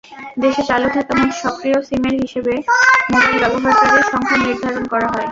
দেশে চালু থাকা মোট সক্রিয় সিমের হিসেবে মোবাইল ব্যবহারকারীর সংখ্যা নির্ধারণ করা হয়।